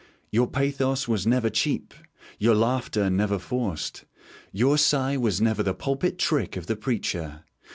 Your pathos was never cheap, your laughter never forced; your sigh was never the pulpit trick of the preacher.